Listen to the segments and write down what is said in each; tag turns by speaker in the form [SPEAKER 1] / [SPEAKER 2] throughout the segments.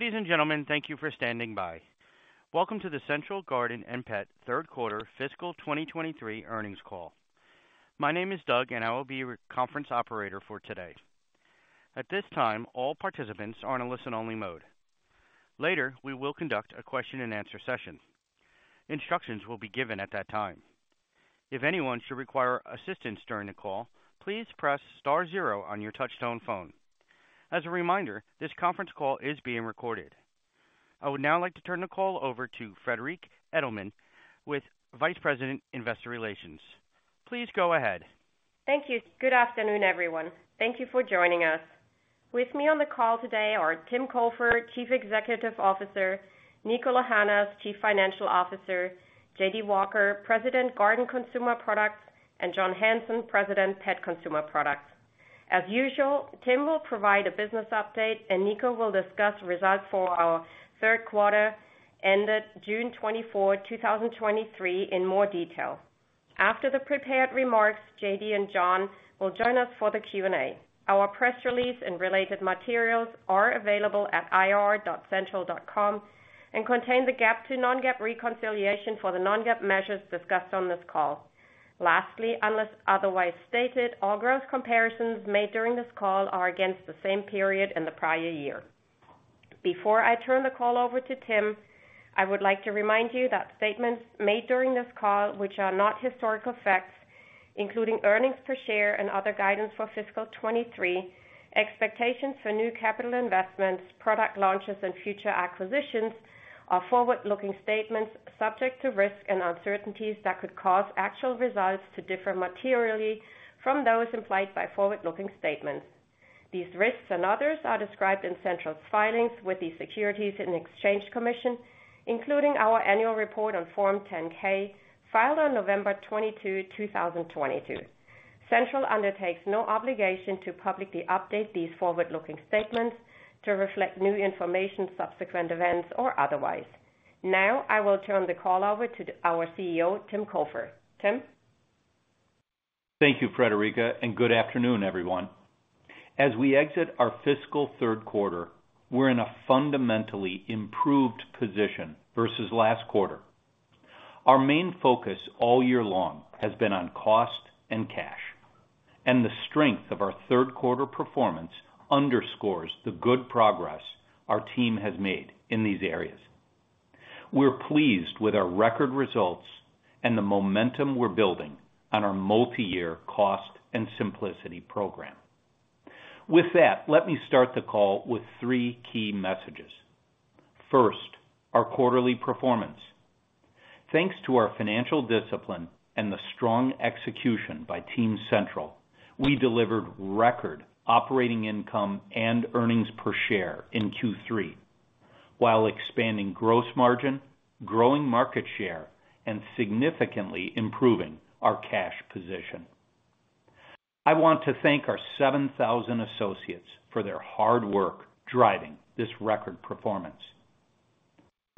[SPEAKER 1] Ladies and gentlemen, thank you for standing by. Welcome to the Central Garden & Pet Q3 fiscal 2023 earnings call. My name is Doug, and I will be your conference operator for today. At this time, all participants are in a listen-only mode. Later, we will conduct a question-and-answer session. Instructions will be given at that time. If anyone should require assistance during the call, please press star zero on your touchtone phone. As a reminder, this conference call is being recorded. I would now like to turn the call over to Friederike Edelmann with Vice President, Investor Relations. Please go ahead.
[SPEAKER 2] Thank you. Good afternoon, everyone. Thank you for joining us. With me on the call today are Tim Cofer, Chief Executive Officer, Niko Lahanas, Chief Financial Officer, J.D. Walker, President, Garden Consumer Products, and John Hanson, President, Pet Consumer Products. As usual, Tim will provide a business update, and Niko will discuss results for our Q3, ended June 24, 2023, in more detail. After the prepared remarks, J.D. and John will join us for the Q&A. Our press release and related materials are available at ir.central.com and contain the GAAP to non-GAAP reconciliation for the non-GAAP measures discussed on this call. Lastly, unless otherwise stated, all growth comparisons made during this call are against the same period in the prior year. Before I turn the call over to Tim, I would like to remind you that statements made during this call, which are not historical facts, including earnings per share and other guidance for fiscal 2023, expectations for new capital investments, product launches, and future acquisitions, are forward-looking statements subject to risks and uncertainties that could cause actual results to differ materially from those implied by forward-looking statements. These risks and others are described in Central's filings with the Securities and Exchange Commission, including our annual report on Form 10-K, filed on November 22, 2022. Central undertakes no obligation to publicly update these forward-looking statements to reflect new information, subsequent events, or otherwise. Now, I will turn the call over to our CEO, Tim Cofer. Tim?
[SPEAKER 3] Thank you, Friederike, and good afternoon, everyone. As we exit our fiscal Q3, we're in a fundamentally improved position versus last quarter. Our main focus all year long has been on cost and cash, and the strength of our Q3 performance underscores the good progress our team has made in these areas. We're pleased with our record results and the momentum we're building on our multi-year Cost and Simplicity program. With that, let me start the call with three key messages. First, our quarterly performance. Thanks to our financial discipline and the strong execution by Team Central, we delivered record operating income and earnings per share in Q3, while expanding gross margin, growing market share, and significantly improving our cash position. I want to thank our 7,000 associates for their hard work driving this record performance.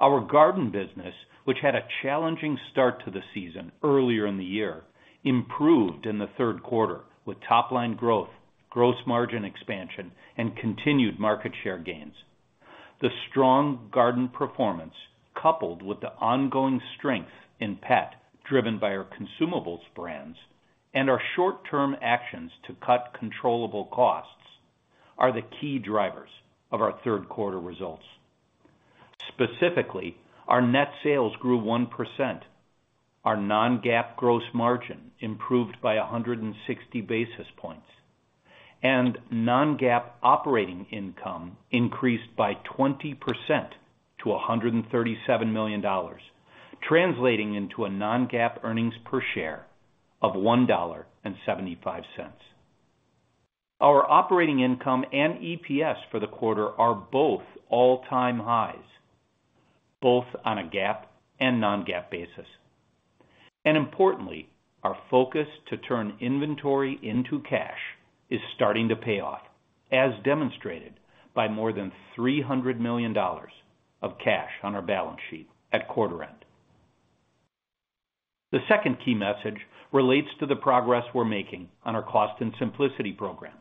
[SPEAKER 3] Our garden business, which had a challenging start to the season earlier in the year, improved in the Q3 with top line growth, gross margin expansion, and continued market share gains. The strong garden performance, coupled with the ongoing strength in pet, driven by our consumables brands and our short-term actions to cut controllable costs, are the key drivers of our Q3 results. Specifically, our net sales grew 1%, our non-GAAP gross margin improved by 160 basis points, and non-GAAP operating income increased by 20% to $137 million, translating into a non-GAAP earnings per share of $1.75. Our operating income and EPS for the quarter are both all-time highs, both on a GAAP and non-GAAP basis. Importantly, our focus to turn inventory into cash is starting to pay off, as demonstrated by more than $300 million of cash on our balance sheet at quarter end. The second key message relates to the progress we're making on our Cost and Simplicity program.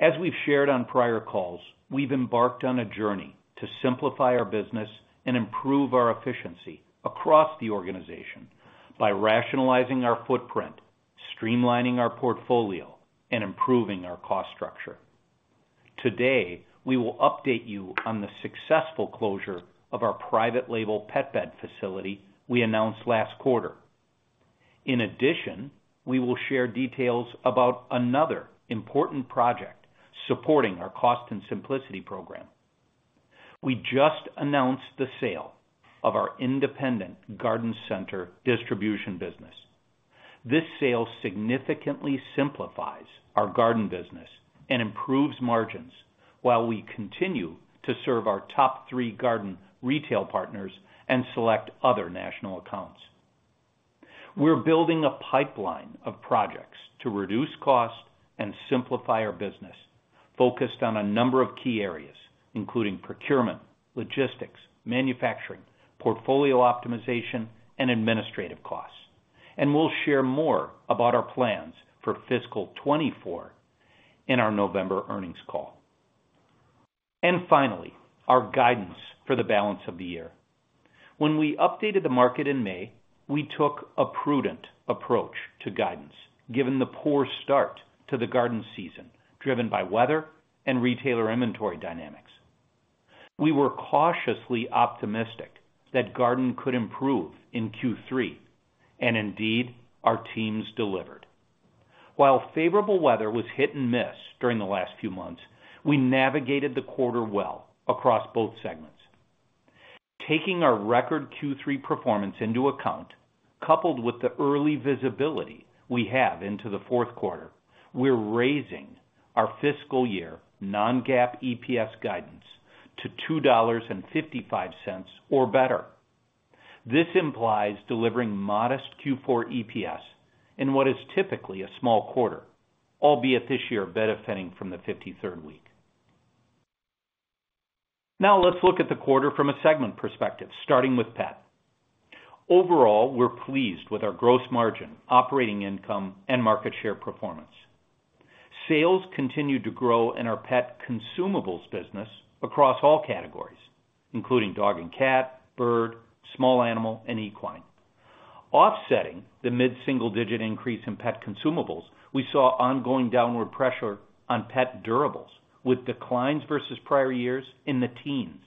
[SPEAKER 3] As we've shared on prior calls, we've embarked on a journey to simplify our business and improve our efficiency across the organization by rationalizing our footprint, streamlining our portfolio, and improving our cost structure. Today, we will update you on the successful closure of our private label pet bed facility we announced last quarter. In addition, we will share details about another important project supporting our Cost and Simplicity program. We just announced the sale of our independent garden center distribution business. This sale significantly simplifies our garden business and improves margins while we continue to serve our top three garden retail partners and select other national accounts. We're building a pipeline of projects to reduce cost and simplicity our business, focused on a number of key areas, including procurement, logistics, manufacturing, portfolio optimization, and administrative costs. We'll share more about our plans for fiscal 2024 in our November earnings call. Finally, our guidance for the balance of the year. When we updated the market in May, we took a prudent approach to guidance, given the poor start to the garden season, driven by weather and retailer inventory dynamics. We were cautiously optimistic that garden could improve in Q3, and indeed, our teams delivered. While favorable weather was hit-and-miss during the last few months, we navigated the quarter well across both segments. Taking our record Q3 performance into account, coupled with the early visibility we have into the Q4, we're raising our fiscal year non-GAAP EPS guidance to $2.55 or better. This implies delivering modest Q4 EPS in what is typically a small quarter, albeit this year benefiting from the 53rd week. Let's look at the quarter from a segment perspective, starting with pet. Overall, we're pleased with our gross margin, operating income, and market share performance. Sales continued to grow in our pet consumables business across all categories, including dog and cat, bird, small animal, and equine. Offsetting the mid single-digit increase in pet consumables, we saw ongoing downward pressure on pet durables, with declines versus prior years in the teens.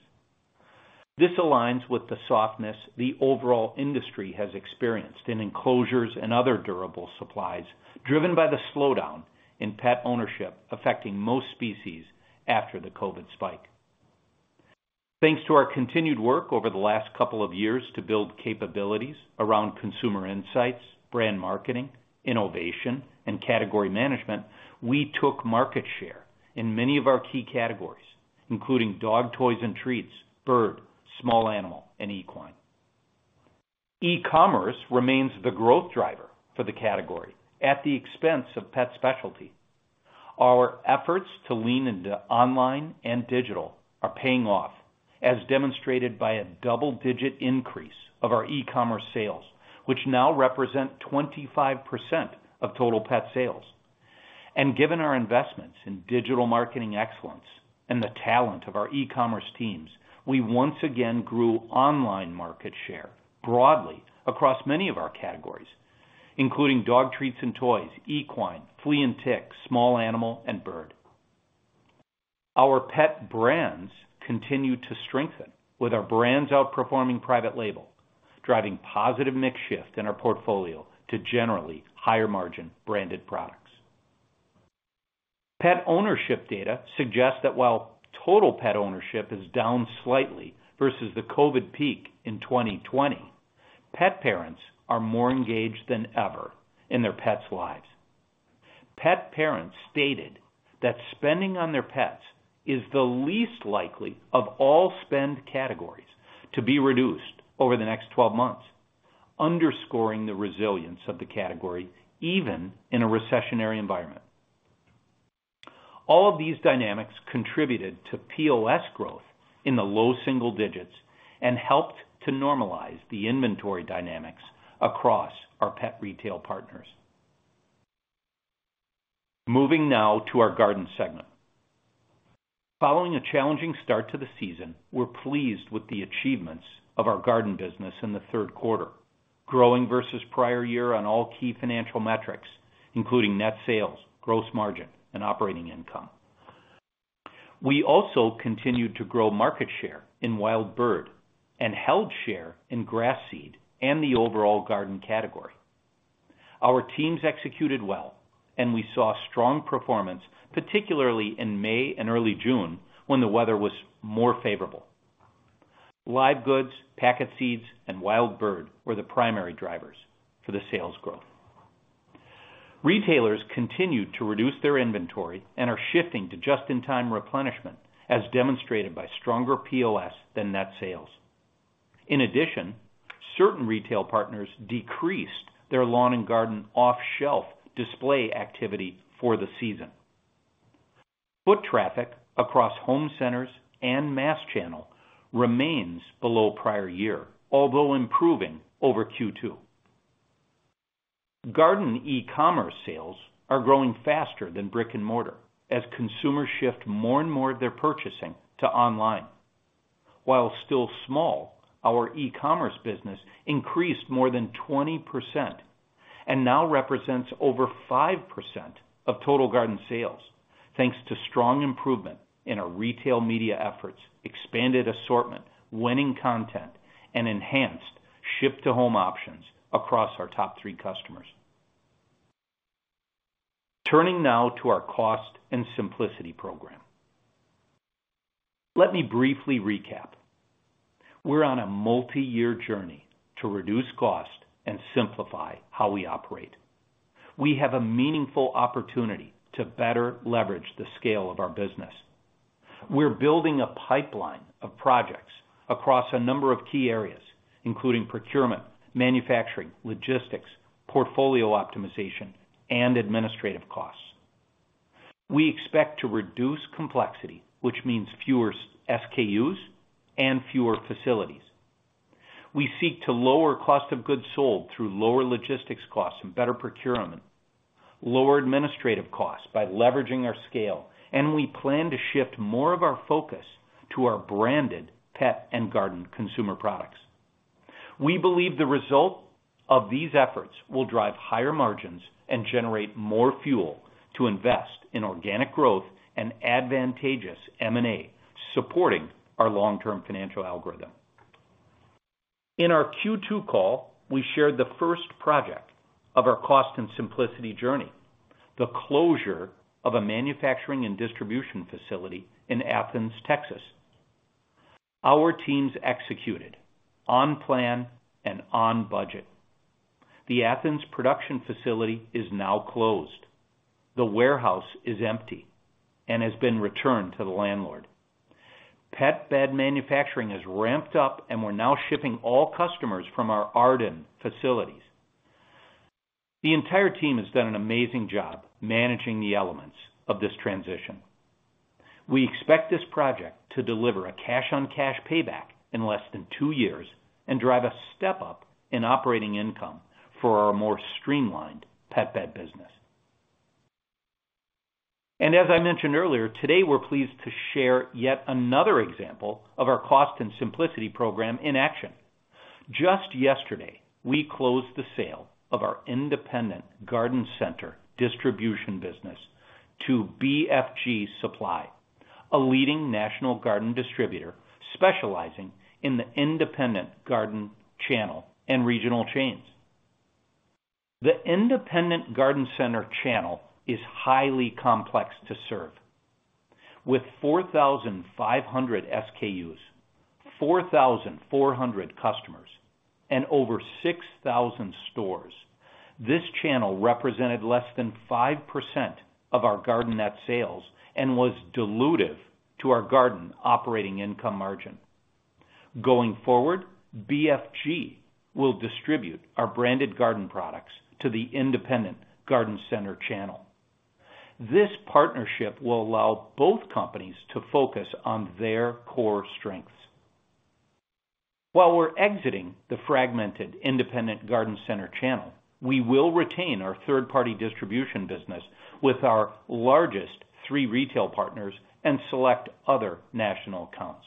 [SPEAKER 3] This aligns with the softness the overall industry has experienced in enclosures and other durable supplies, driven by the slowdown in pet ownership, affecting most species after the COVID spike. Thanks to our continued work over the last couple of years to build capabilities around consumer insights, brand marketing, innovation, and category management, we took market share in many of our key categories, including dog toys and treats, bird, small animal, and equine. E-commerce remains the growth driver for the category at the expense of pet specialty. Our efforts to lean into online and digital are paying off, as demonstrated by a double-digit increase of our e-commerce sales, which now represent 25% of total pet sales. Given our investments in digital marketing excellence and the talent of our e-commerce teams, we once again grew online market share broadly across many of our categories, including dog treats and toys, equine, flea and tick, small animal, and bird. Our pet brands continue to strengthen, with our brands outperforming private label, driving positive mix shift in our portfolio to generally higher-margin branded products. Pet ownership data suggests that while total pet ownership is down slightly versus the COVID peak in 2020, pet parents are more engaged than ever in their pets' lives. Pet parents stated that spending on their pets is the least likely of all spend categories to be reduced over the next 12 months, underscoring the resilience of the category, even in a recessionary environment. All of these dynamics contributed to POS growth in the low single-digit and helped to normalize the inventory dynamics across our pet retail partners. Moving now to our garden segment. Following a challenging start to the season, we're pleased with the achievements of our garden business in the Q3, growing versus prior year on all key financial metrics, including net sales, gross margin, and operating income. We also continued to grow market share in wild bird and held share in grass seed and the overall garden category. Our teams executed well, and we saw strong performance, particularly in May and early June, when the weather was more favorable. Live goods, packet seeds, and wild bird were the primary drivers for the sales growth. Retailers continued to reduce their inventory and are shifting to just-in-time replenishment, as demonstrated by stronger POS than net sales. Certain retail partners decreased their lawn and garden off-shelf display activity for the season. Foot traffic across home centers and mass channel remains below prior year, although improving over Q2. Garden e-commerce sales are growing faster than brick-and-mortar as consumers shift more and more of their purchasing to online. While still small, our e-commerce business increased more than 20% and now represents over 5% of total garden sales, thanks to strong improvement in our retail media efforts, expanded assortment, winning content, and enhanced ship-to-home options across our top three customers. Turning now to our Cost and Simplicity program. Let me briefly recap. We're on a multiyear journey to reduce cost and simplify how we operate. We have a meaningful opportunity to better leverage the scale of our business. We're building a pipeline of projects across a number of key areas, including procurement, manufacturing, logistics, portfolio optimization, and administrative costs. We expect to reduce complexity, which means fewer SKUs and fewer facilities. We seek to lower cost of goods sold through lower logistics costs and better procurement, lower administrative costs by leveraging our scale, and we plan to shift more of our focus to our branded pet and garden consumer products. We believe the result of these efforts will drive higher margins and generate more fuel to invest in organic growth and advantageous M&A, supporting our long-term financial algorithm. In our Q2 call, we shared the first project of our Cost and Simplicity journey, the closure of a manufacturing and distribution facility in Athens, Texas. Our teams executed on plan and on budget. The Athens production facility is now closed. The warehouse is empty and has been returned to the landlord. Pet bed manufacturing has ramped up, and we're now shipping all customers from our Arden facilities. The entire team has done an amazing job managing the elements of this transition. We expect this project to deliver a cash-on-cash payback in less than two years and drive a step-up in operating income for our more streamlined pet bed business. As I mentioned earlier, today, we're pleased to share yet another example of our Cost and Simplicity program in action. Just yesterday, we closed the sale of our independent garden center distribution business to BFG Supply, a leading national garden distributor specializing in the independent garden channel and regional chains. The independent garden center channel is highly complex to serve. With 4,500 SKUs, 4,400 customers, and over 6,000 stores, this channel represented less than 5% of our Garden net sales and was dilutive to our Garden operating income margin. Going forward, BFG will distribute our branded garden products to the independent garden center channel. This partnership will allow both companies to focus on their core strengths. While we're exiting the fragmented independent garden center channel, we will retain our third-party distribution business with our largest three retail partners and select other national accounts.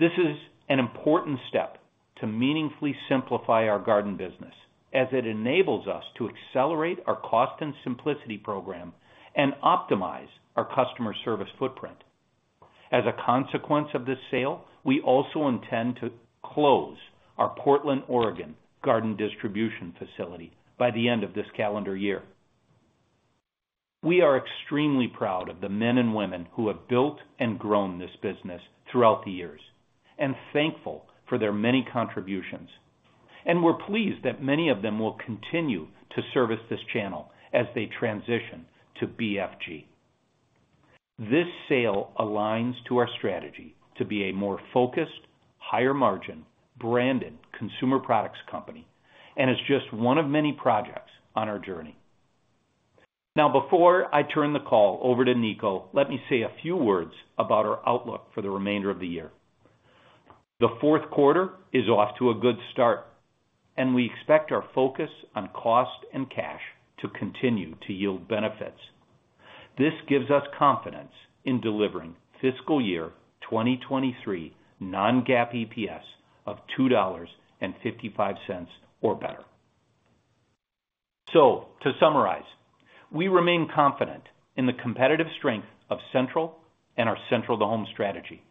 [SPEAKER 3] This is an important step to meaningfully simplify our garden business, as it enables us to accelerate our Cost and Simplicity program and optimize our customer service footprint. As a consequence of this sale, we also intend to close our Portland, Oregon, garden distribution facility by the end of this calendar year. We are extremely proud of the men and women who have built and grown this business throughout the years, thankful for their many contributions. We're pleased that many of them will continue to service this channel as they transition to BFG. This sale aligns to our strategy to be a more focused, higher margin, branded consumer products company, and is just one of many projects on our journey. Now, before I turn the call over to Niko, let me say a few words about our outlook for the remainder of the year. The Q4 is off to a good start, and we expect our focus on cost and cash to continue to yield benefits. This gives us confidence in delivering fiscal year 2023 non-GAAP EPS of $2.55 or better. To summarize, we remain confident in the competitive strength of Central and our Central to Home strategy.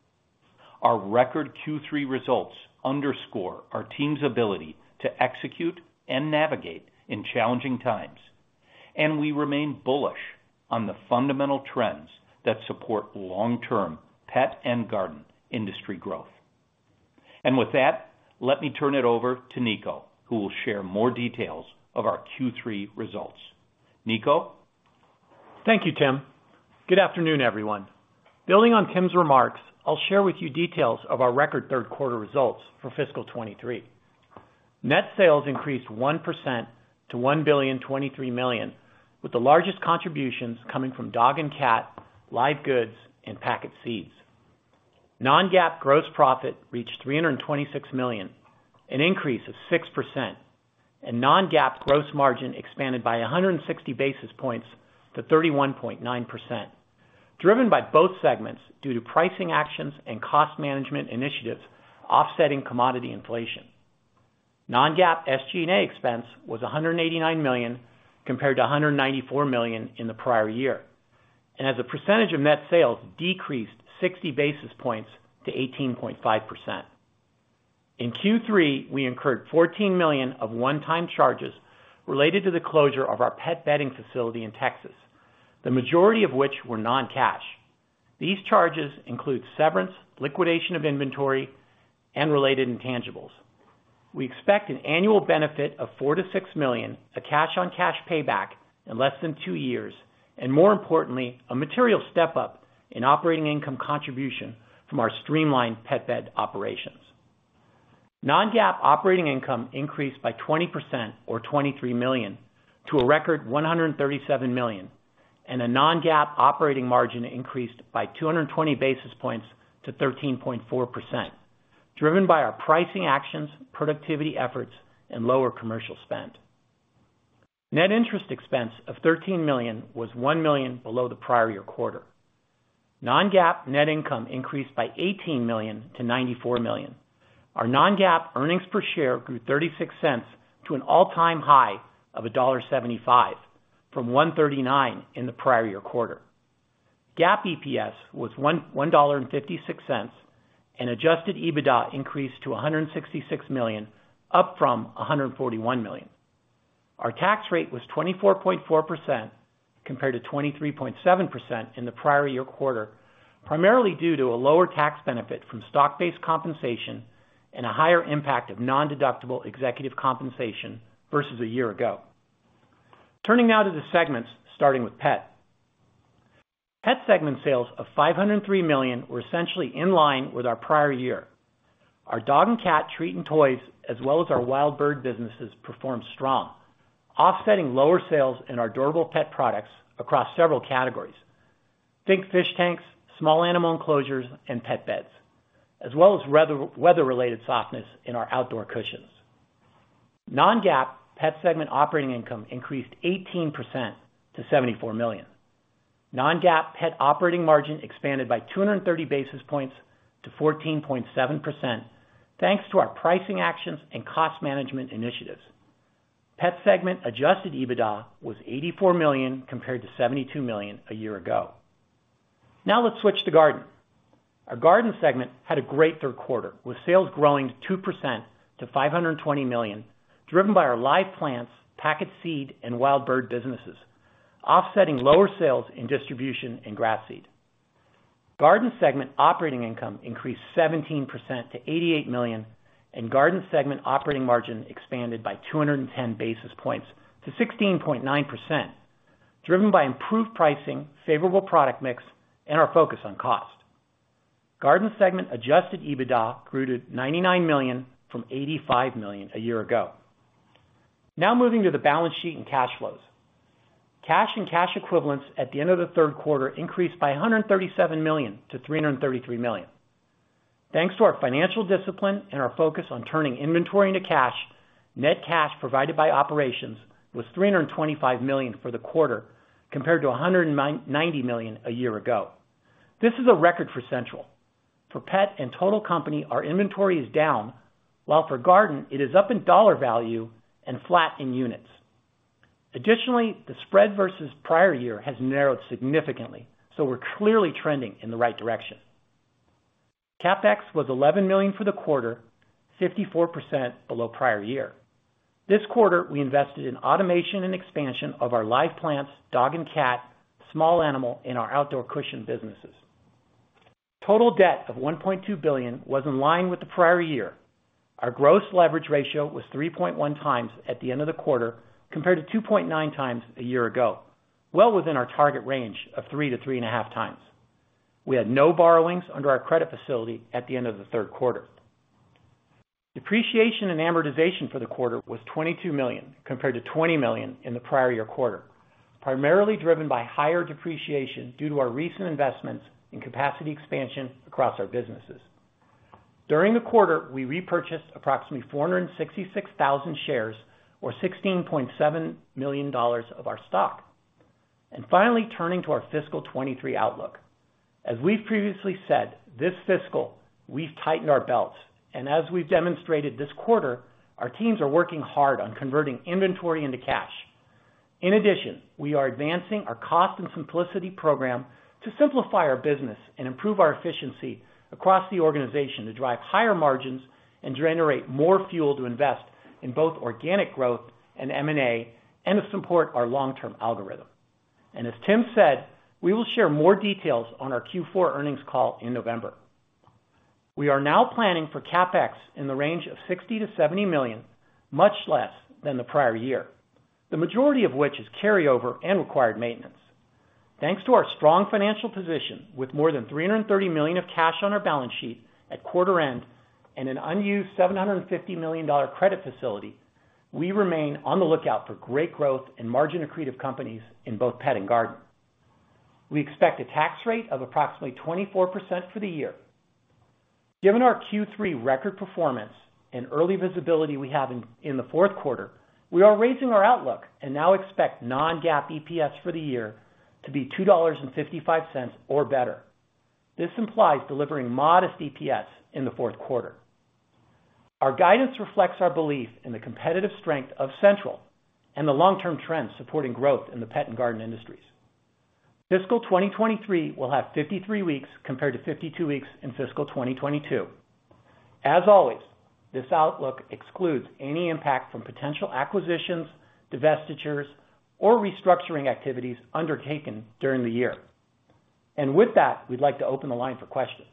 [SPEAKER 3] Our record Q3 results underscore our team's ability to execute and navigate in challenging times, and we remain bullish on the fundamental trends that support long-term pet and garden industry growth. With that, let me turn it over to Niko, who will share more details of our Q3 results. Niko?
[SPEAKER 4] Thank you, Tim. Good afternoon, everyone. Building on Tim's remarks, I'll share with you details of our record Q3 results for fiscal 2023. Net sales increased 1% to $1,023 million, with the largest contributions coming from dog and cat, live goods, and packet seeds. Non-GAAP gross profit reached $326 million, an increase of 6%, and non-GAAP gross margin expanded by 160 basis points to 31.9%, driven by both segments due to pricing actions and cost management initiatives offsetting commodity inflation. Non-GAAP SG&A expense was $189 million, compared to $194 million in the prior year, and as a percentage of net sales, decreased 60 basis points to 18.5%. In Q3, we incurred $14 million of one-time charges related to the closure of our pet bedding facility in Texas, the majority of which were non-cash. These charges include severance, liquidation of inventory, and related intangibles. We expect an annual benefit of $4 million-$6 million, a cash-on-cash payback in less than two years, and more importantly, a material step up in operating income contribution from our streamlined pet bed operations. Non-GAAP operating income increased by 20% or $23 million, to a record $137 million. A non-GAAP operating margin increased by 220 basis points to 13.4%, driven by our pricing actions, productivity efforts, and lower commercial spend. Net interest expense of $13 million was $1 million below the prior year quarter. Non-GAAP net income increased by $18 million to $94 million. Our non-GAAP earnings per share grew $0.36 to an all-time high of $1.75, from $1.39 in the prior year quarter. GAAP EPS was $1.56, adjusted EBITDA increased to $166 million, up from $141 million. Our tax rate was 24.4% compared to 23.7% in the prior year quarter, primarily due to a lower tax benefit from stock-based compensation and a higher impact of nondeductible executive compensation versus a year ago. Turning now to the segments, starting with pet. Pet segment sales of $503 million were essentially in line with our prior year. Our dog and cat treat and toys, as well as our wild bird businesses, performed strong, offsetting lower sales in our durable pet products across several categories. Think of fish tanks, small animal enclosures, and pet beds, as well as weather-related softness in our outdoor cushions. Non-GAAP pet segment operating income increased 18% to $74 million. Non-GAAP pet operating margin expanded by 230 basis points to 14.7%, thanks to our pricing actions and cost management initiatives. Pet segment adjusted EBITDA was $84 million, compared to $72 million a year ago. Let's switch to garden. Our garden segment had a great Q3, with sales growing 2% to $520 million, driven by our live plants, packet seed, and wild bird businesses, offsetting lower sales in distribution and grass seed. Garden segment operating income increased 17% to $88 million, and garden segment operating margin expanded by 210 basis points to 16.9%, driven by improved pricing, favorable product mix, and our focus on cost. Garden segment adjusted EBITDA grew to $99 million from $85 million a year ago. Now moving to the balance sheet and cash flows. Cash and cash equivalents at the end of the Q3 increased by $137 million to $333 million. Thanks to our financial discipline and our focus on turning inventory into cash, net cash provided by operations was $325 million for the quarter, compared to $190 million a year ago. This is a record for Central. For pet and total company, our inventory is down, while for garden it is up in dollar value and flat in units. Additionally, the spread versus prior year has narrowed significantly, we're clearly trending in the right direction. CapEx was $11 million for the quarter, 54% below prior year. This quarter, we invested in automation and expansion of our live plants, dog and cat, small animal, and our outdoor cushion businesses. Total debt of $1.2 billion was in line with the prior year. Our gross leverage ratio was 3.1x at the end of the quarter, compared to 2.9x a year ago, well within our target range of 3x-3.5x. We had no borrowings under our credit facility at the end of the Q3. Depreciation and amortization for the quarter was $22 million, compared to $20 million in the prior year quarter, primarily driven by higher depreciation due to our recent investments in capacity expansion across our businesses. During the quarter, we repurchased approximately 466,000 shares or $16.7 million of our stock. Finally, turning to our fiscal 23 outlook. As we've previously said, this fiscal year, we've tightened our belts. As we've demonstrated this quarter, our teams are working hard on converting inventory into cash. In addition, we are advancing our Cost and Simplicity program to simplify our business and improve our efficiency across the organization to drive higher margins and generate more fuel to invest in both organic growth and M&A, and to support our long-term algorithm. As Tim said, we will share more details on our Q4 earnings call in November. We are now planning for CapEx in the range of $60 million-$70 million, much less than the prior year. The majority of which is carryover and required maintenance. Thanks to our strong financial position, with more than $330 million of cash on our balance sheet at quarter end and an unused $750 million credit facility, we remain on the lookout for great growth and margin accretive companies in both pet and garden. We expect a tax rate of approximately 24% for the year. Given our Q3 record performance and early visibility we have in the Q4, we are raising our outlook and now expect non-GAAP EPS for the year to be $2.55 or better. This implies delivering modest EPS in the Q4. Our guidance reflects our belief in the competitive strength of Central and the long-term trends supporting growth in the pet and garden industries. Fiscal 2023 will have 53 weeks, compared to 52 weeks in fiscal 2022. As always, this outlook excludes any impact from potential acquisitions, divestitures, or restructuring activities undertaken during the year. With that, we'd like to open the line for questions.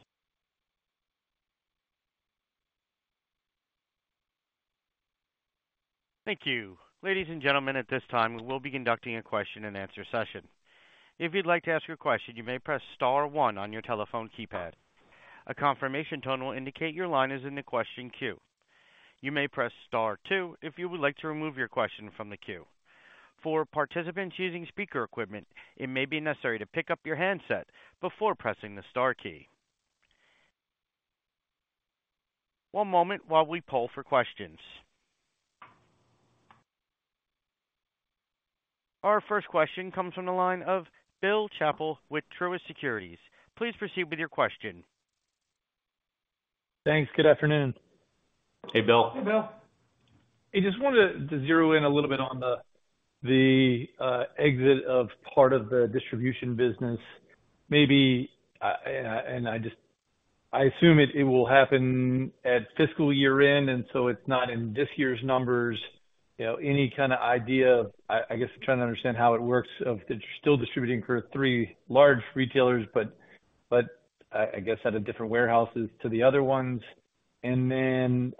[SPEAKER 1] Thank you. Ladies and gentlemen, at this time, we will be conducting a question and answer session. If you'd like to ask a question, you may press star one on your telephone keypad. A confirmation tone will indicate your line is in the question queue. You may press star two if you would like to remove your question from the queue. For participants using speaker equipment, it may be necessary to pick up your handset before pressing the star key. One moment while we poll for questions. Our first question comes from the line of Bill Chappell with Truist Securities. Please proceed with your question.
[SPEAKER 5] Thanks. Good afternoon.
[SPEAKER 3] Hey, Bill.
[SPEAKER 6] Hey, Bill.
[SPEAKER 5] I just wanted to, to zero in a little bit on the, the exit of part of the distribution business. Maybe, and I, and I assume it, it will happen at fiscal year-end, and so it's not in this year's numbers. You know, any kind of idea of I guess I'm trying to understand how it works, of you're still distributing for three large retailers, but I guess, out of different warehouses to the other ones. Would you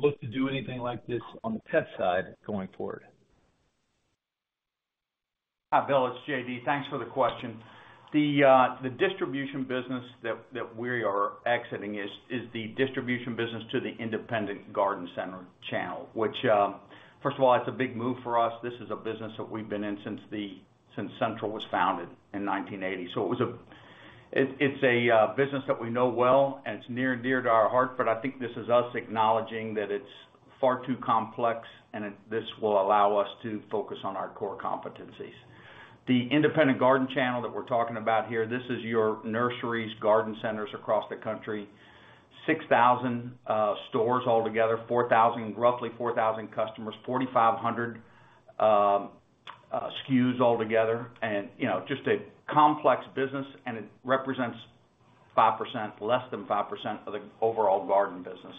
[SPEAKER 5] look to do anything like this on the pet side going forward?
[SPEAKER 6] Hi, Bill, it's J.D. Thanks for the question. The distribution business that we are exiting is the distribution business to the independent garden center channel, which, first of all, it's a big move for us. This is a business that we've been in since Central was founded in 1980. It's a business that we know well, and it's near and dear to our heart, but I think this is us acknowledging that it's far too complex, and this will allow us to focus on our core competencies. The independent garden channel that we're talking about here, this is your nurseries, garden centers across the country. 6,000 stores altogether, roughly 4,000 customers, 4,500 SKUs altogether, you know, just a complex business, and it represents 5%, less than 5% of the overall garden business.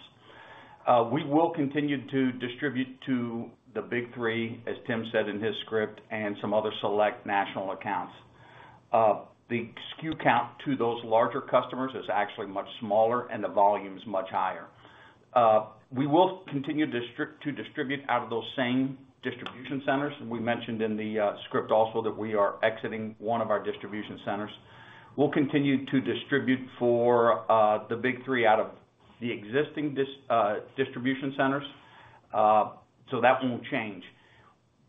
[SPEAKER 6] We will continue to distribute to the big three, as Tim said in his script, and some other select national accounts. The SKU count to those larger customers is actually much smaller, and the volume is much higher. We will continue to distribute out of those same distribution centers. We mentioned in the script also that we are exiting one of our distribution centers. We'll continue to distribute for the big three out of the existing distribution centers, so that won't change.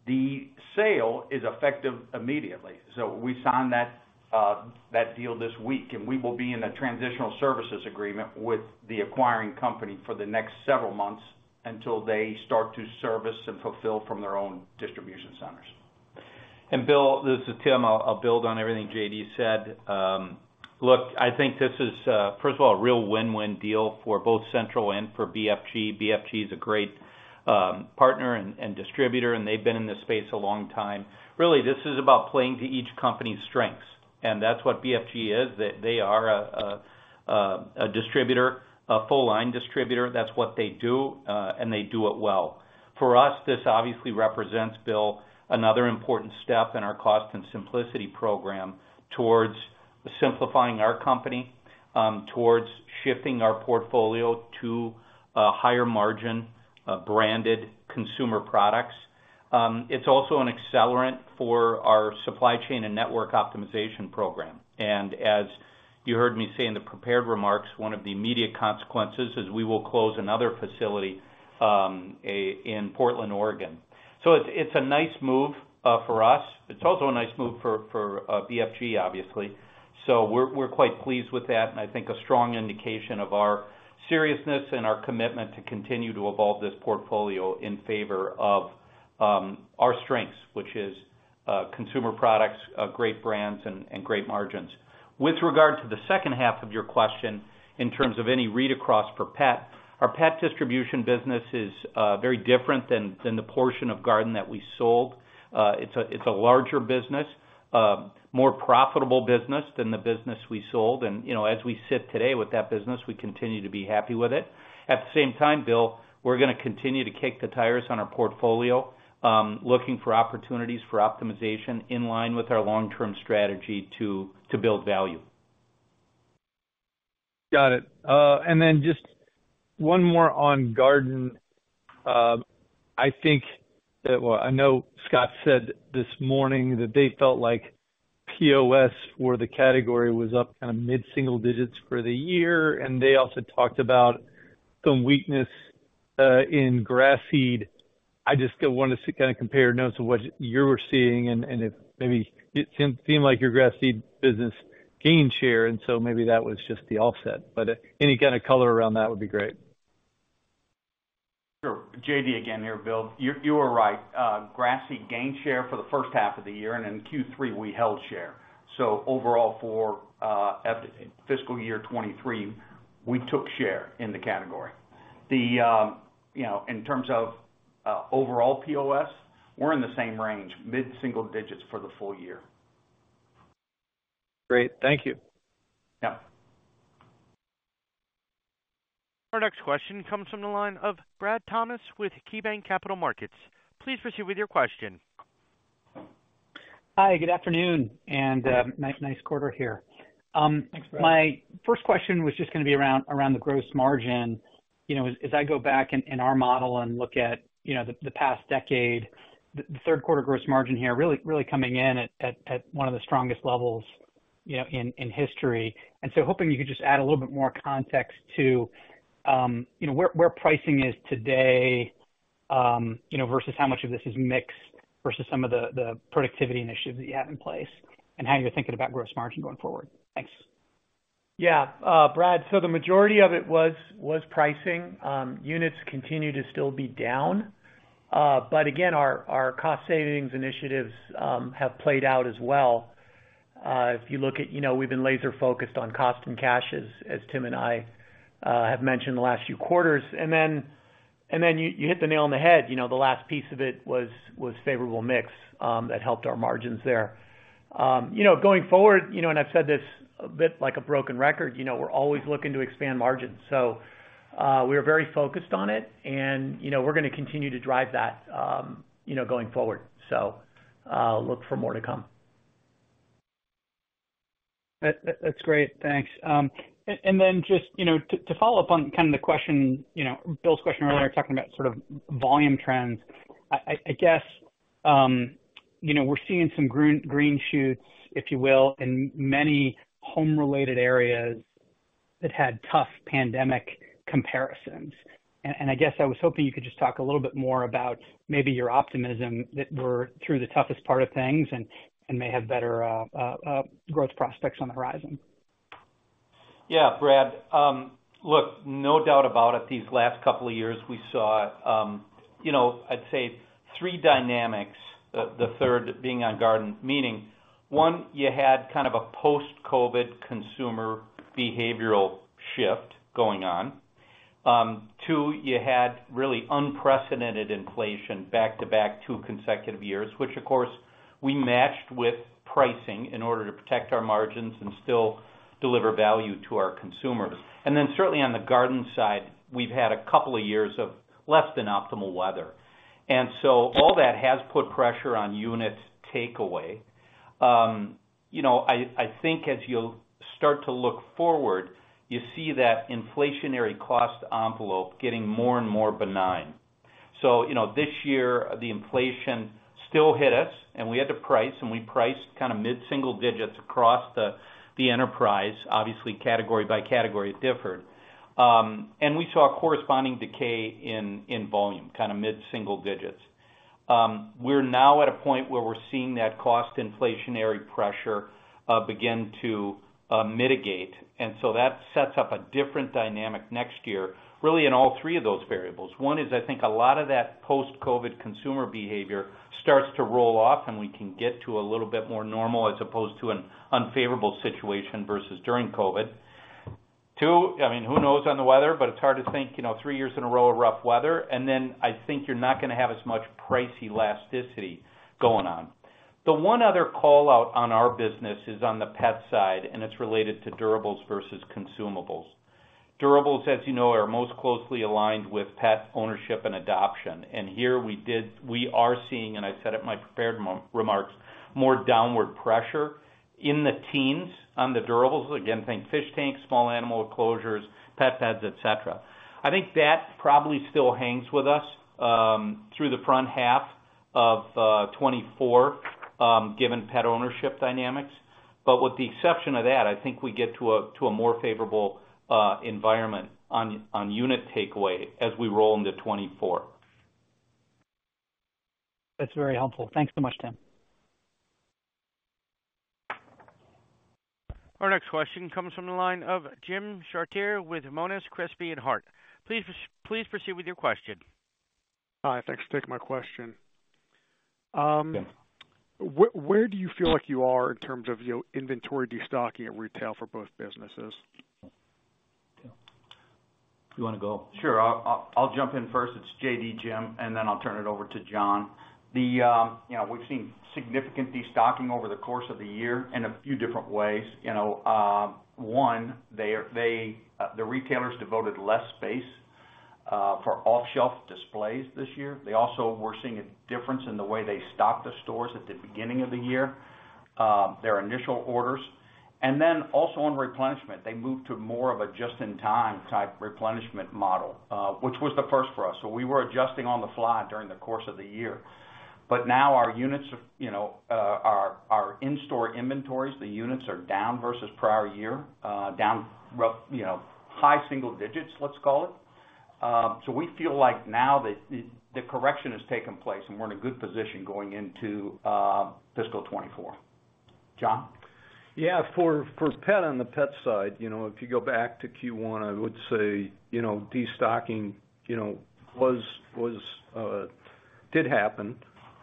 [SPEAKER 6] The sale is effective immediately, so we signed that deal this week, and we will be in a transitional services agreement with the acquiring company for the next several months until they start to service and fulfill from their own distribution centers.
[SPEAKER 3] Bill, this is Tim. I'll, I'll build on everything J.D. said. Look, I think this is, first of all, a real win-win deal for both Central and for BFG. BFG is a great partner and, and distributor, and they've been in this space a long time. Really, this is about playing to each company's strengths, and that's what BFG is. They, they are a, a, a distributor, a full line distributor. That's what they do, and they do it well. For us, this obviously represents, Bill, another important step in our Cost and Simplicity program towards simplifying our company, towards shifting our portfolio to a higher margin branded consumer products. It's also an accelerant for our supply chain and network optimization program. As you heard me say in the prepared remarks, one of the immediate consequences is we will close another facility in Portland, Oregon. It's, it's a nice move for us. It's also a nice move for, for BFG, obviously. We're, we're quite pleased with that, and I think a strong indication of our seriousness and our commitment to continue to evolve this portfolio in favor of our strengths, which is consumer products, great brands and great margins. With regard to the second half of your question, in terms of any read across for pet, our pet distribution business is very different than, than the portion of garden that we sold. It's a, it's a larger business, more profitable business than the business we sold. You know, as we sit today with that business, we continue to be happy with it. At the same time, Bill, we're gonna continue to kick the tires on our portfolio, looking for opportunities for optimization in line with our long-term strategy to, to build value.
[SPEAKER 5] Got it. Then just one more on garden. Well, I know Scott said this morning that they felt like POS where the category was up kind of mid single-digit for the year, and they also talked about some weakness in grass seed. I just wanted to kinda compare notes of what you were seeing, and if maybe it seemed like your grass seed business gained share, and so maybe that was just the offset. Any kind of color around that would be great.
[SPEAKER 6] Sure. J.D. again here, Bill. You're, you were right. Grass seed gained share for the H1 of the year, and in Q3, we held share. Overall for fiscal year 2023, we took share in the category. The, you know, in terms of overall POS, we're in the same range, mid single-digit for the full year.
[SPEAKER 5] Great. Thank you.
[SPEAKER 6] Yeah.
[SPEAKER 1] Our next question comes from the line of Brad Thomas with KeyBanc Capital Markets. Please proceed with your question.
[SPEAKER 7] Hi, good afternoon, nice quarter here.
[SPEAKER 3] Thanks, Brad.
[SPEAKER 7] My first question was just gonna be around, around the gross margin. You know, as, as I go back in, in our model and look at, you know, the, the past decade the Q3 gross margin here, really, really coming in at, at, at one of the strongest levels, you know, in, in history. Hoping you could just add a little bit more context to, you know, where, where pricing is today, you know, versus how much of this is mix, versus some of the, the productivity initiatives that you have in place, and how you're thinking about gross margin going forward. Thanks.
[SPEAKER 3] Yeah, Brad, the majority of it was, was pricing. Units continue to still be down. Again, our, our cost savings initiatives have played out as well. If you look at, you know, we've been laser focused on cost and cash, as Tim and I have mentioned the last few quarters. You, you hit the nail on the head, you know, the last piece of it was, was favorable mix that helped our margins there. You know, going forward, you know, I've said this a bit like a broken record, you know, we're always looking to expand margins. We are very focused on it, you know, we're gonna continue to drive that, you know, going forward. Look for more to come.
[SPEAKER 7] That's great. Thanks. Then just, you know, to, to follow up on kind of the question, you know, Bill's question earlier, talking about sort of volume trends. I guess, you know, we're seeing some green, green shoots, if you will, in many home-related areas that had tough pandemic comparisons. And I guess I was hoping you could just talk a little bit more about maybe your optimism that we're through the toughest part of things and, and may have better growth prospects on the horizon.
[SPEAKER 3] Yeah, Brad, look, no doubt about it, these last couple of years, we saw, you know, I'd say three dynamics, the third being on garden. Meaning, one, you had kind of a post-COVID consumer behavioral shift going on. Two, you had really unprecedented inflation back-to-back two consecutive years, which of course, we matched with pricing in order to protect our margins and still deliver value to our consumers. Then certainly on the garden side, we've had a couple of years of less than optimal weather. So all that has put pressure on units takeaway. you know, I think as you'll start to look forward, you see that inflationary cost envelope getting more and more benign. This year, the inflation still hit us, and we had to price, and we priced kind of mid single-digit across the enterprise. Obviously, category by category, it differed. We saw a corresponding decay in, in volume, kind of mid single-digit. We're now at a point where we're seeing that cost inflationary pressure begin to mitigate. That sets up a different dynamic next year, really, in all three of those variables. One is, I think a lot of that post-COVID consumer behavior starts to roll off, and we can get to a little bit more normal, as opposed to an unfavorable situation versus during COVID. Two, I mean, who knows on the weather, but it's hard to think, you know, three years in a row of rough weather. Then I think you're not gonna have as much price elasticity going on. The one other call-out on our business is on the pet side, and it's related to durables versus consumables. Durables, as you know, are most closely aligned with pet ownership and adoption. Here we are seeing, and I said it in my prepared remarks, more downward pressure in the teens on the durables. Again, think fish tanks, small animal enclosures, pet beds, et cetera. I think that probably still hangs with us through the front half of 2024, given pet ownership dynamics. With the exception of that, I think we get to a, to a more favorable environment on, on unit takeaway as we roll into 2024.
[SPEAKER 7] That's very helpful. Thanks so much, Tim.
[SPEAKER 1] Our next question comes from the line of Jim Chartier with Monness, Crespi, Hardt. Please proceed with your question.
[SPEAKER 8] Hi, thanks for taking my question.
[SPEAKER 3] Yeah.
[SPEAKER 8] Where do you feel like you are in terms of, you know, inventory destocking at retail for both businesses?
[SPEAKER 6] You wanna go? Sure. I'll, I'll, I'll jump in first. It's J.D., Jim, then I'll turn it over to John. The, you know, we've seen significant destocking over the course of the year in a few different ways. You know, 1, the retailers devoted less space for off-shelf displays this year. They also were seeing a difference in the way they stock the stores at the beginning of the year, their initial orders. Also on replenishment, they moved to more of a just-in-time type replenishment model, which was the first for us. We were adjusting on the fly during the course of the year. Now our units are, you know, our, our in-store inventories, the units are down versus prior year, down, you know, high single-digit, let's call it. We feel like now that the, the correction has taken place, and we're in a good position going into fiscal 2024. John?
[SPEAKER 9] Yeah, for, for pet on the pet side, you know, if you go back to Q1, I would say, you know, destocking, you know, was, was, did happen.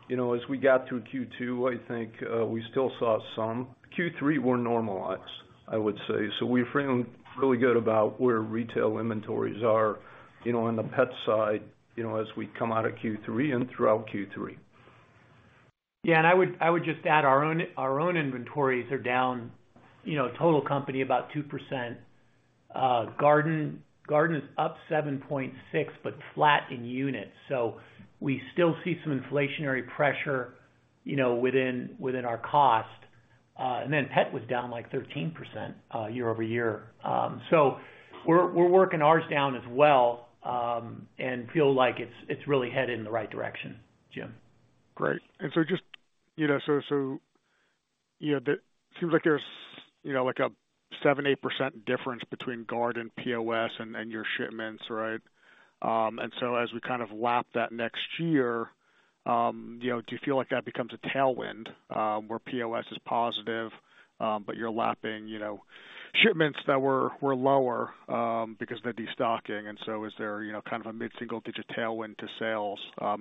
[SPEAKER 9] You know, as we got through Q2, I think, we still saw some. Q3, we're normalized, I would say. We feel really good about where retail inventories are, you know, on the pet side, you know, as we come out of Q3 and throughout Q3.
[SPEAKER 3] Yeah, I would, I would just add our own, our own inventories are down, you know, total company, about 2%.... garden, garden is up 7.6, but flat in units. We still see some inflationary pressure, you know, within, within our cost. Then pet was down, like, 13%, year-over-year. We're, we're working ours down as well, and feel like it's, it's really headed in the right direction, Jim.
[SPEAKER 8] Great. Just, you know, you know, seems like there's, you know, like a 7%-8% difference between garden POS and your shipments, right? As we kind of lap that next year, you know, do you feel like that becomes a tailwind, where POS is positive, but you're lapping, you know, shipments that were lower, because of the destocking? Is there, you know, kind of a mid-single-digit tailwind to sales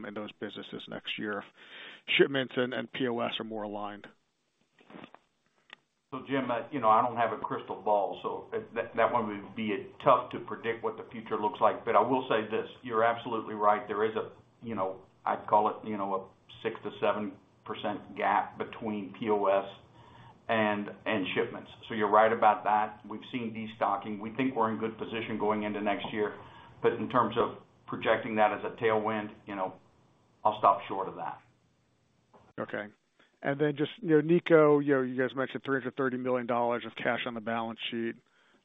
[SPEAKER 8] in those businesses next year, shipments and POS are more aligned?
[SPEAKER 9] Jim, you know, I don't have a crystal ball, so that one would be tough to predict what the future looks like. But I will say this, you're absolutely right. There is a, you know, I'd call it, you know, a 6%-7% gap between POS and shipments. You're right about that. We've seen destocking. We think we're in good position going into next year, but in terms of projecting that as a tailwind, you know, I'll stop short of that.
[SPEAKER 8] Okay. Then just, you know, Niko, you know, you guys mentioned $330 million of cash on the balance sheet.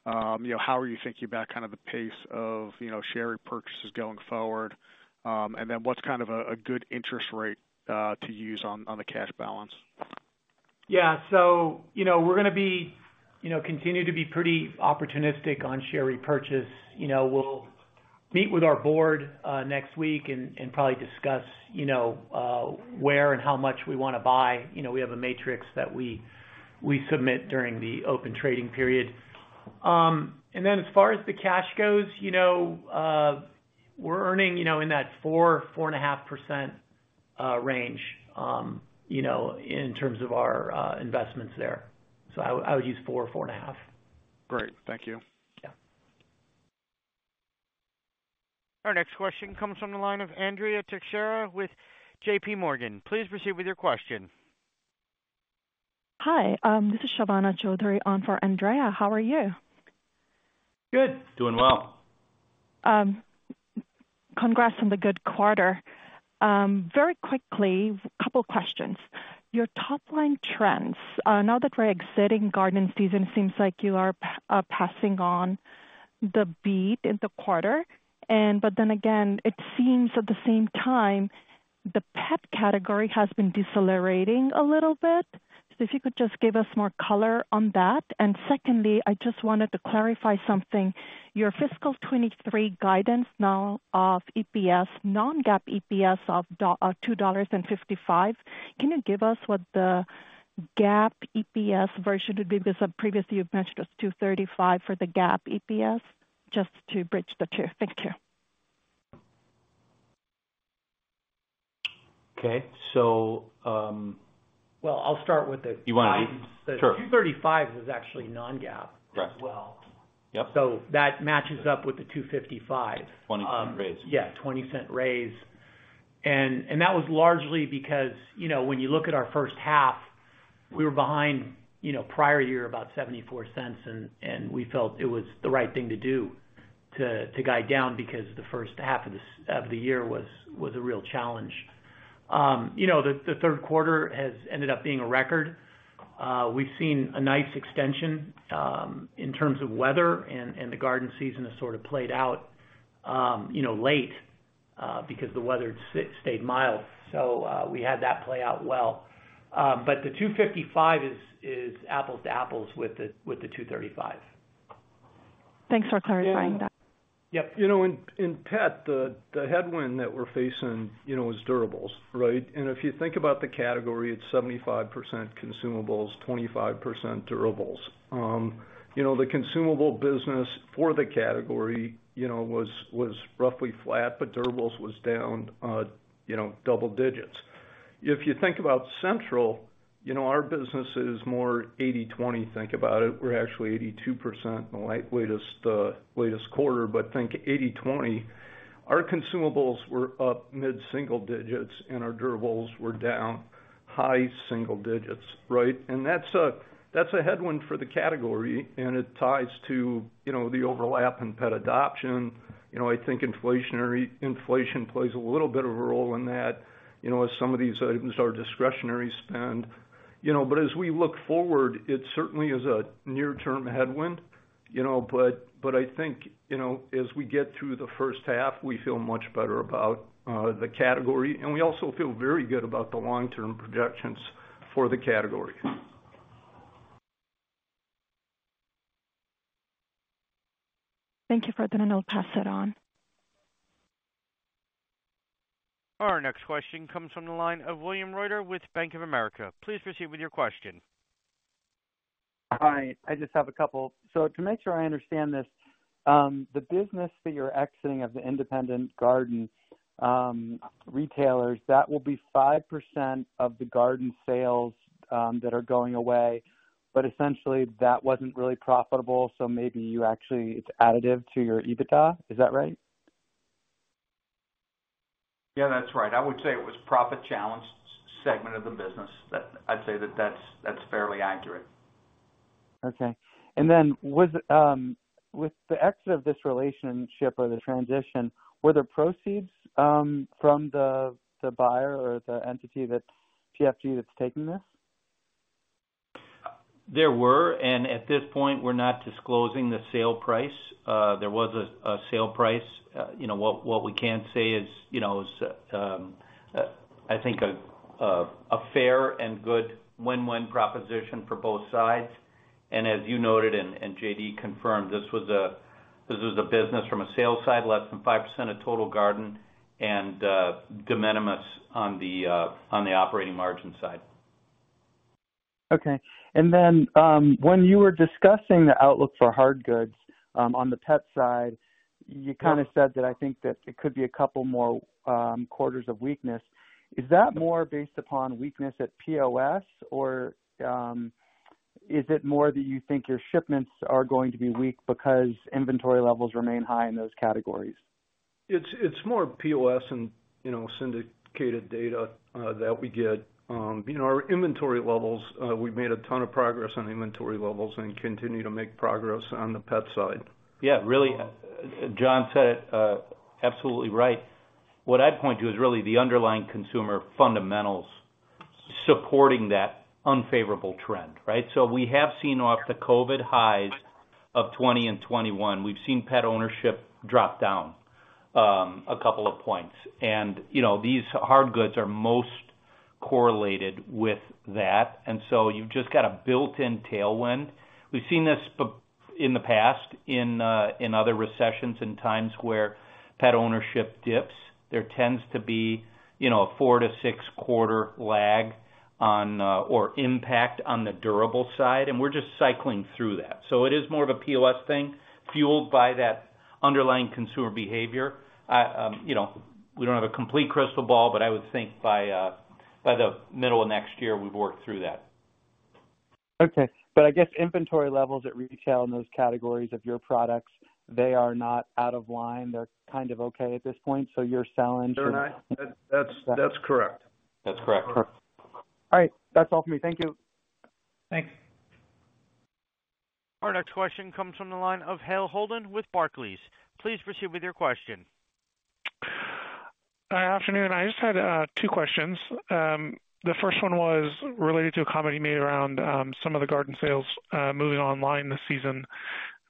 [SPEAKER 8] You know, how are you thinking about kind of the pace of, you know, share repurchases going forward? And then what's kind of a good interest rate to use on the cash balance?
[SPEAKER 4] Yeah, you know, we will continue to be pretty opportunistic on share repurchase. You know, we'll meet with our board next week and, and probably discuss where and how much we want to buy. You know, we have a matrix that we submit during the open trading period. As far as the cash goes, you know, we're earning in that 4%-4.5% range in terms of our investments there. I would use 4%-4.5%.
[SPEAKER 8] Great. Thank you.
[SPEAKER 4] Yeah.
[SPEAKER 1] Our next question comes from the line of Andrea Teixeira with JPMorgan. Please proceed with your question.
[SPEAKER 10] Hi, this is Shabana Chaudhary on for Andrea. How are you?
[SPEAKER 4] Good.
[SPEAKER 9] Doing well.
[SPEAKER 10] Congrats on the good quarter. Very quickly, couple questions. Your top line trends. Now that we're exiting garden season, seems like you are passing on the beat in the quarter. But then again, it seems at the same time, the pet category has been decelerating a little bit. If you could just give us more color on that. Secondly, I just wanted to clarify something. Your fiscal 2023 guidance now of EPS, non-GAAP EPS of $2.55, can you give us what the GAAP EPS version would be? Because previously, you've mentioned it was $2.35 for the GAAP EPS, just to bridge the two. Thank you.
[SPEAKER 9] Okay.
[SPEAKER 4] Well, I'll start.
[SPEAKER 9] You wanna lead? Sure.
[SPEAKER 4] $2.35 is actually non-GAAP.
[SPEAKER 9] Right.
[SPEAKER 4] as well.
[SPEAKER 9] Yep.
[SPEAKER 4] That matches up with the $2.55.
[SPEAKER 9] $0.20 raise.
[SPEAKER 4] Yeah, $0.20 raise. that was largely because, you know, when you look at our H1, we were behind, you know, prior year, about $0.74, and we felt it was the right thing to do to guide down because the H1 of the year was a real challenge. you know, the Q3 has ended up being a record. we've seen a nice extension in terms of weather, and the garden season has sort of played out, you know, late because the weather stayed mild. we had that play out well. the $2.55 is apples to apples with the $2.35.
[SPEAKER 10] Thanks for clarifying that.
[SPEAKER 9] Yep. You know, in, in pet, the, the headwind that we're facing, you know, is durables, right? If you think about the category, it's 75% consumables, 25% durables. You know, the consumable business for the category, you know, was, was roughly flat, but durables was down, you know, double-digit. If you think about Central, you know, our business is more 80-20. Think about it, we're actually 82% in the latest, latest quarter, but think 80-20. Our consumables were up mid single-digit, and our durables were down high single-digit, right? That's a headwind for the category, and it ties to, you know, the overlap in pet adoption. You know, I think inflation plays a little bit of a role in that, you know, as some of these items are discretionary spend. You know, as we look forward, it certainly is a near-term headwind, you know, but, but I think, you know, as we get through the H1, we feel much better about the category, and we also feel very good about the long-term projections for the category.
[SPEAKER 10] Thank you for that, and I'll pass it on.
[SPEAKER 1] Our next question comes from the line of William Reuter with Bank of America. Please proceed with your question.
[SPEAKER 11] Hi, I just have a couple. To make sure I understand this, the business that you're exiting of the independent garden, retailers, that will be 5% of the garden sales, that are going away, but essentially that wasn't really profitable, so maybe you actually. It's additive to your EBITDA. Is that right?
[SPEAKER 3] Yeah, that's right. I would say it was profit-challenged segment of the business. I'd say that's fairly accurate.
[SPEAKER 11] Okay. Then with, with the exit of this relationship or the transition, were there proceeds, from the, the buyer or the entity that BFG that's taking this?
[SPEAKER 3] There were, and at this point, we're not disclosing the sale price. There was a sale price. You know, what we can say is, you know, I think a fair and good win-win proposition for both sides. As you noted and J.D. confirmed, this was a business from a sales side, less than 5% of total Garden and de minimis on the operating margin side.
[SPEAKER 11] Okay. When you were discussing the outlook for hard goods on the pet side, you kind of said that I think that it could be a couple more quarters of weakness. Is that more based upon weakness at POS? Or is it more that you think your shipments are going to be weak because inventory levels remain high in those categories?
[SPEAKER 9] It's more POS and, you know, syndicated data that we get. You know, our inventory levels, we've made a ton of progress on inventory levels and continue to make progress on the pet side.
[SPEAKER 3] Yeah, really, John said it, absolutely right. What I'd point to is really the underlying consumer fundamentals supporting that unfavorable trend, right? We have seen off the COVID highs of 2020 and 2021, we've seen pet ownership drop down a couple of points. You know, these hard goods are most correlated with that, you've just got a built-in tailwind. We've seen this in the past, in other recessions, in times where pet ownership dips, there tends to be, you know, a four to six quarter lag on or impact on the durable side, we're just cycling through that. It is more of a POS thing, fueled by that underlying consumer behavior. You know, we don't have a complete crystal ball, I would think by the middle of next year, we've worked through that.
[SPEAKER 11] Okay. I guess inventory levels at retail in those categories of your products, they are not out of line. They're kind of okay at this point, so you're selling?
[SPEAKER 9] They're not. That's correct.
[SPEAKER 3] That's correct.
[SPEAKER 11] All right. That's all for me. Thank you.
[SPEAKER 3] Thanks.
[SPEAKER 1] Our next question comes from the line of Hale Holden with Barclays. Please proceed with your question.
[SPEAKER 12] Afternoon. I just had two questions. The first one was related to a comment you made around some of the garden sales moving online this season.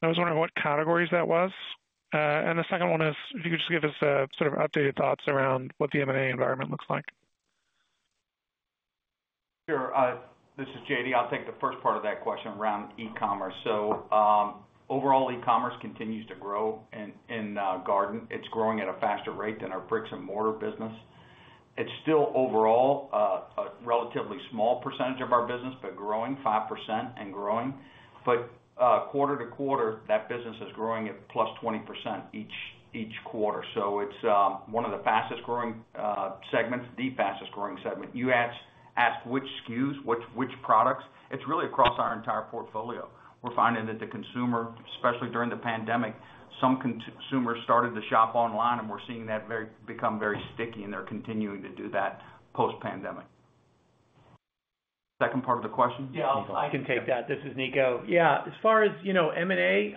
[SPEAKER 12] I was wondering what categories that was. The second one is if you could just give us a sort of updated thoughts around what the M&A environment looks like.
[SPEAKER 6] Sure. This is J.D. I'll take the first part of that question around e-commerce. Overall, e-commerce continues to grow in Garden. It's growing at a faster rate than our brick-and-mortar business. It's still overall a relatively small percentage of our business, growing 5% and growing. Quarter-to-quarter, that business is growing at +20% each quarter. It's one of the fastest growing segments, the fastest growing segment. You asked which SKUs, which products? It's really across our entire portfolio. We're finding that the consumer, especially during the pandemic, some consumers started to shop online, and we're seeing that become very sticky, and they're continuing to do that post-pandemic. Second part of the question?
[SPEAKER 4] Yeah, I can take that. This is Niko. Yeah, as far as, you know, M&A,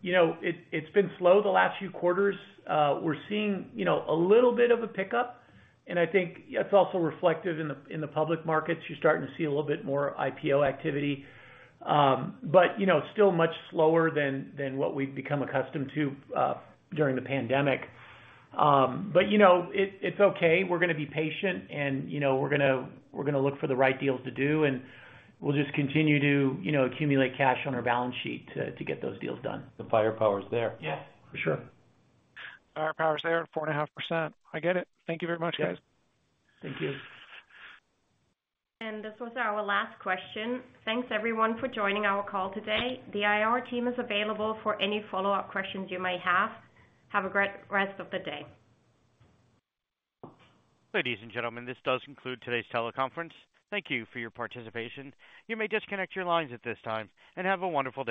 [SPEAKER 4] you know, it's, it's been slow the last few quarters. We're seeing, you know, a little bit of a pickup, and I think it's also reflective in the, in the public markets. You're starting to see a little bit more IPO activity. It's still much slower than, than what we've become accustomed to, during the pandemic. It, it's okay. We're gonna be patient, and, you know, we're gonna, we're gonna look for the right deals to do, and we'll just continue to, you know, accumulate cash on our balance sheet to, to get those deals done.
[SPEAKER 6] The firepower is there.
[SPEAKER 3] Yes, for sure.
[SPEAKER 12] Firepower is there, 4.5%. I get it. Thank you very much, guys.
[SPEAKER 3] Thank you.
[SPEAKER 1] This was our last question. Thanks, everyone, for joining our call today. The IR team is available for any follow-up questions you may have. Have a great rest of the day.
[SPEAKER 2] Ladies and gentlemen, this does conclude today's teleconference. Thank you for your participation. You may disconnect your lines at this time, and have a wonderful day.